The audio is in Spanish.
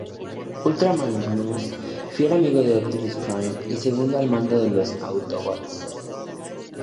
Ultra Magnus, fiel amigo de Optimus Prime y segundo al mando de los Autobots.